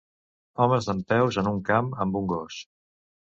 Homes dempeus en un camp amb un gos.